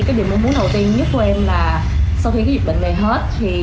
cái điều mong muốn đầu tiên nhất của em là sau khi dịch bệnh này hết